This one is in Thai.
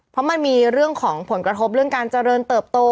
เพราะมันมีเรื่องของผลกระทบเรื่องการเจริญเติบโต